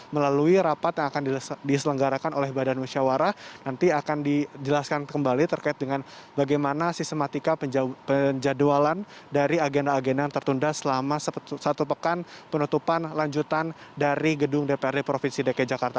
melalui rapat yang akan diselenggarakan oleh badan musyawarah nanti akan dijelaskan kembali terkait dengan bagaimana sistematika penjadwalan dari agenda agenda yang tertunda selama satu pekan penutupan lanjutan dari gedung dprd provinsi dki jakarta